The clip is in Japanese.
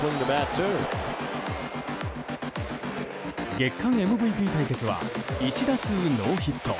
月間ＭＶＰ対決は１打数ノーヒット。